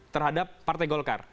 terhadap partai golkar